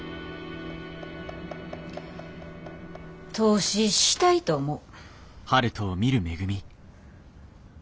投資したいと思う。